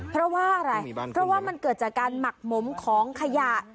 เพราะว่าอะไรเพราะว่ามันเกิดจากการหมักหมมของขยะ